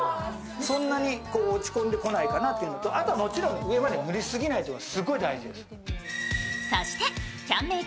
そんなに落ち込んでこないかなというのとあとはもちろん上まで塗りすぎないことがすごい大事。